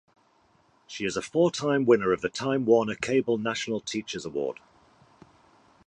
She is a four-time winner of the Time Warner Cable National Teachers Award.